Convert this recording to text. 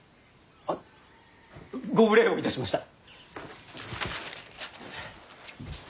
あっご無礼をいたしました。